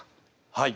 はい！